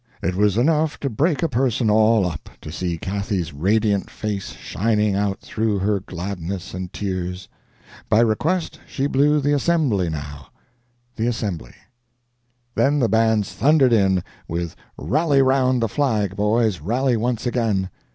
It was enough to break a person all up, to see Cathy's radiant face shining out through her gladness and tears. By request she blew the "assembly," now. ... [Picture: The Assembly [music score]] ... Then the bands thundered in, with "Rally round the flag, boys, rally once again!"